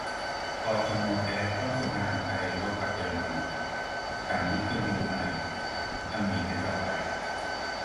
พธม แท้ ต้องส่งทหารไทยรบกับเยอรมัน ฐานยึดเครื่องบินไทย เขมรกระจอกไป